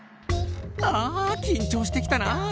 あ緊張してきたなあ。